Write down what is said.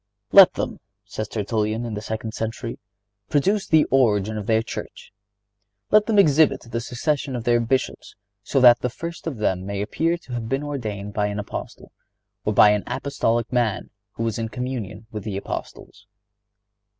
"Let them," says Tertullian, in the second century, "produce the origin of their church. Let them exhibit the succession of their Bishops, so that the first of them may appear to have been ordained by an Apostle, or by an apostolic man who was in communion with the Apostles."